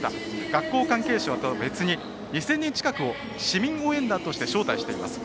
学校関係者とは別に２０００人近くを市民応援団として招待しています。